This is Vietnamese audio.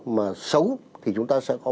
mà xấu thì chúng ta sẽ có